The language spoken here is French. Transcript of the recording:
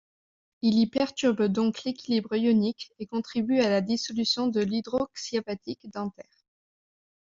Il y perturbe donc l'équilibre ionique et contribue à la dissolution de l'hydroxyapatite dentaire.